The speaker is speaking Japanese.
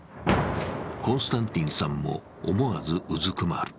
コンスタンティンさんも思わずうずくまる。